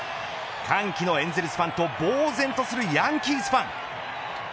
歓喜のエンゼルスファンと呆然とするヤンキースファン。